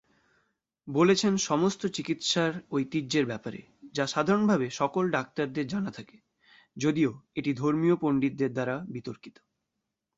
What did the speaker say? বলেছেন সমস্ত চিকিৎসার ঐতিহ্যের ব্যাপারে, যা সাধারণভাবে সকল ডাক্তারদের জানা থাকে, যদিও এটি ধর্মীয় পণ্ডিতদের দ্বারা বিতর্কিত।